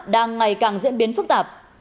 đang ngày càng diễn biến phức tạp